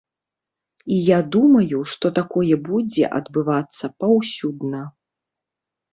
І я думаю, што такое будзе адбывацца паўсюдна.